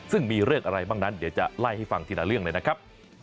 ซึ่งมีเรื่องอะไรบ้างนั้นเดี๋ยวจะไล่ให้ฟังทีละเรื่องเลยนะครับ